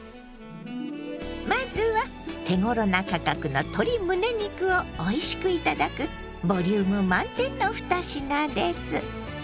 まずは手ごろな価格の鶏むね肉をおいしく頂くボリューム満点の２品です。